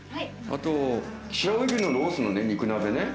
あと白老牛のロースの肉鍋ね。